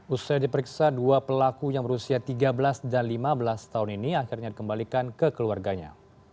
usai diperiksa dua pelaku yang berusia tiga belas dan lima belas tahun ini akhirnya dikembalikan ke keluarganya